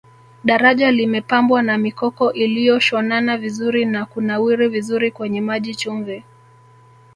daraja limepambwa na mikoko iliyoshonana vizuri na kunawiri vizuri kwenye maji chumvi